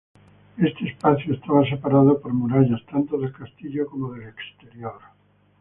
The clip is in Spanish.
Este espacio estaba separado por murallas, tanto del castillo como del exterior.